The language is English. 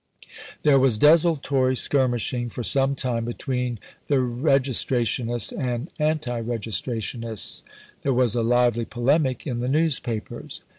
There was desultory skirmishing for some time between the Registrationists and anti Registrationists. There was a lively polemic in the newspapers.